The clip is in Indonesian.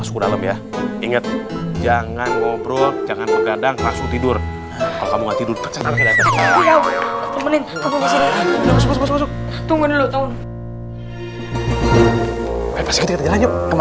sampai jumpa di video selanjutnya